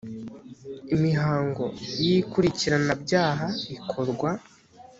imihango y ikurikiranabyaha ikorwa